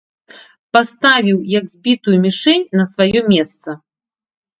Паставіў, як збітую мішэнь, на сваё месца.